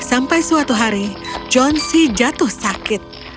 sampai suatu hari john c jatuh sakit